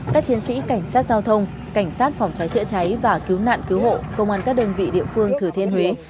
các chiến sĩ cảnh sát giao thông cảnh sát phòng cháy chữa cháy và cứu nạn cứu hộ công an các đơn vị địa phương thừa thiên huế